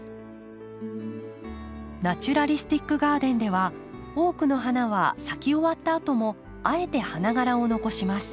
ナチュラリスティック・ガーデンでは多くの花は咲き終わったあともあえて花がらを残します。